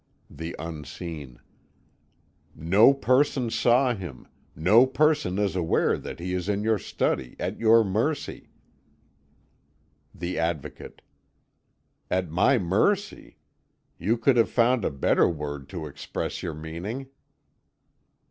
The Unseen: "No person saw him no person is aware that he is in your study, at your mercy." The Advocate: "At my mercy! You could have found a better word to express your meaning."